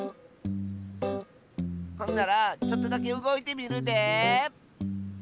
ほんならちょっとだけうごいてみるで！